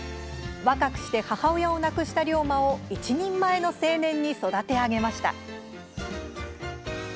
若くして母親を亡くした龍馬を一人前の青年に育て上げました。